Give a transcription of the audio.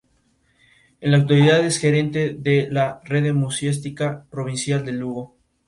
En la actualidad es gerente de la "Rede Museística Provincial de Lugo.